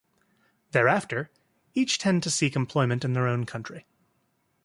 Thereafter, each tend to seek employment in their own country.